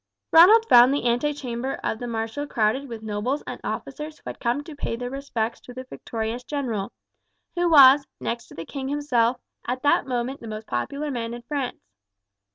Ronald found the antechamber of the marshal crowded with nobles and officers who had come to pay their respects to the victorious general, who was, next to the king himself, at that moment the most popular man in France.